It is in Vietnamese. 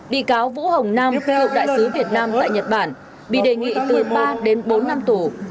bị cáo vũ hồng nam cựu đại sứ việt nam tại nhật bản bị đề nghị từ ba đến bốn năm tù